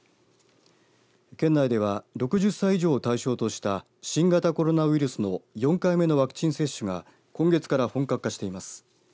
県内では６０歳以上を対象とした新型コロナウイルスの４回目のワクチン接種が今月から本格化しています。